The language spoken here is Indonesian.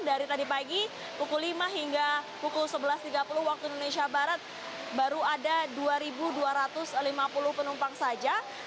dari tadi pagi pukul lima hingga pukul sebelas tiga puluh waktu indonesia barat baru ada dua dua ratus lima puluh penumpang saja